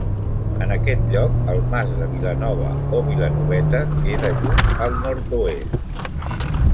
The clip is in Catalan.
En aquest lloc, el Mas de Vilanova, o Vilanoveta, queda just al nord-oest.